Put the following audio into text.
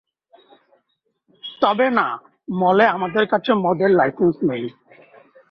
তবে না, মলে আমাদের কাছে মদের লাইসেন্স নেই।